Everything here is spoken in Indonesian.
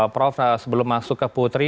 prof sebelum masuk ke putri